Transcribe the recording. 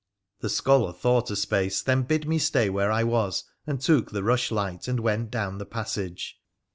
The scholar thought a space, then bid me stay where I was, and took the rushlight and went down the passage.